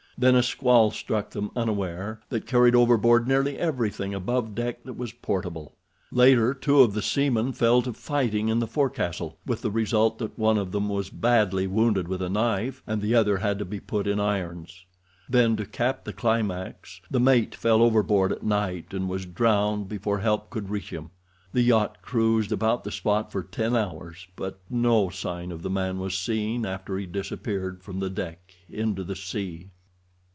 Then a squall struck them unaware, that carried overboard nearly everything above deck that was portable. Later two of the seamen fell to fighting in the forecastle, with the result that one of them was badly wounded with a knife, and the other had to be put in irons. Then, to cap the climax, the mate fell overboard at night, and was drowned before help could reach him. The yacht cruised about the spot for ten hours, but no sign of the man was seen after he disappeared from the deck into the sea.